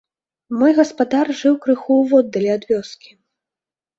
Мой гаспадар жыў крыху ўводдалі ад вёскі.